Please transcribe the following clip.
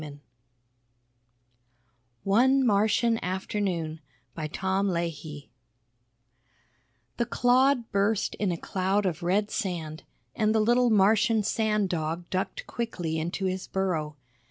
_ ONE MARTIAN AFTERNOON By Tom Leahy Illustrated by BRUSH The clod burst in a cloud of red sand and the little Martian sand dog ducked quickly into his burrow.